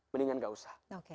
mendingan gak usah